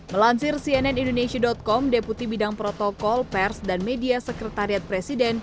melansir cnn indonesia com deputi bidang protokol pers dan media sekretariat presiden